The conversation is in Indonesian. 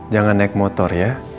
jangan naik motor ya